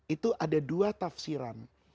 itu ada dua tafsiran